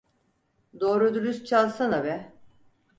Doğru dürüst çalsana be!